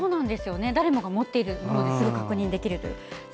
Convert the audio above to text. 誰もが持っているものですぐに確認できますよね。